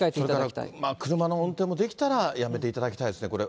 それから車の運転もできたらやめていただきたいですね、これ。